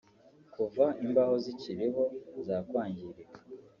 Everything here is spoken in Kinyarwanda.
Kuva imbaho zikiriho zakwangirika